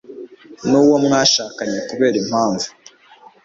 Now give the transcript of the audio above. n'uwo mwashakanye kubera impamvu